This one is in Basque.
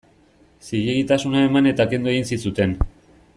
Zilegitasuna eman eta kendu egin zizuten.